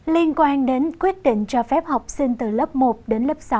liên quan đến quyết định cho phép học sinh từ lớp một đến lớp sáu